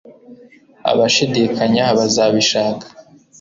Abashidikanya bazabishaka